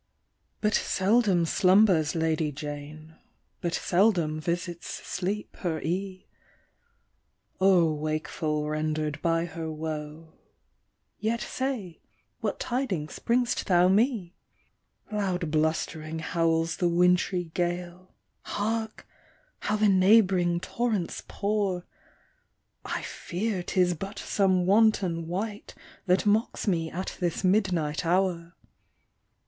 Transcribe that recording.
'' But seldom slumbers Lady Jane, But seldom visits sleep her ee' ; O'er wakeful render' d by her woe, Yet, say, what tidings bring'st thou me ? Loud blust'ring howls the wintry gale, Hark ! how the neighb'ring torrents pour ! I fear 'tis but some wanton wight, That mocks me at this midnight hour.